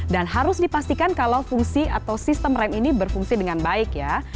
dan harus dipastikan kalau fungsi atau sistem rem ini berfungsi dengan baik ya